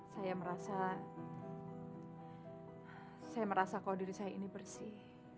saya merasa saya merasa kalau diri saya ini bersih